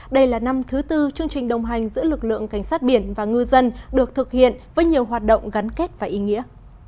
đây là năm thứ tư chương trình đồng hành giữa lực lượng cảnh sát biển và ngư dân được thực hiện với nhiều hoạt động gắn kết và ý nghĩa